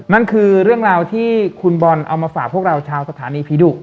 นั่นคือเรื่องราวที่คุณบอลเอามาฝากพวกเราชาวสถานีผีดุ